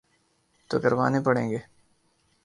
تو کروانے پڑیں گے۔